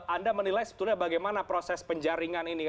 anda menilai sebetulnya bagaimana proses penjaringan ini